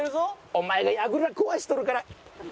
お前がやぐら壊しとるから！